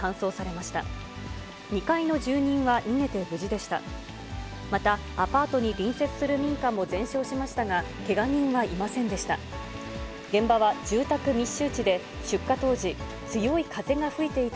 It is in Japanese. また、アパートに隣接する民家も全焼しましたが、けが人はいませんでした。